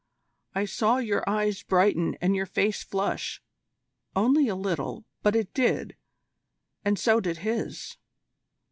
I saw your eyes brighten and your face flush only a little, but it did, and so did his.